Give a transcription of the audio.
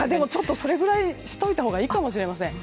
それぐらいしておいたほうがいいかもしれません。